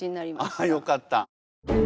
あっよかった。